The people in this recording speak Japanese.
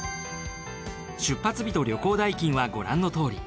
出発日と旅行代金はご覧のとおり。